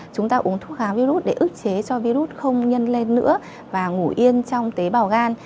chúng ta uống thuốc kháng virus để ức chế cho virus không nhân lên nữa và ngủ yên trong tế bào gan